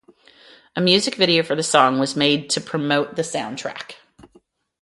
A music video for the song was made to promote the soundtrack.